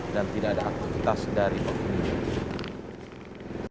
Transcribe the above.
dan tidak ada aktivitas dari pemerintah